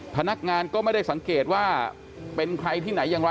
พนักงานก็ไม่ได้สังเกตว่าเป็นใครที่ไหนอย่างไร